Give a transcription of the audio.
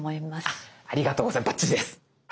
あっありがとうございますバッチリです。